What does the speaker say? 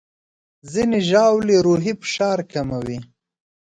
ځینې ژاولې د روحي فشار کموي.